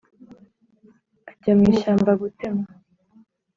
ajya mu ishyamba gutema.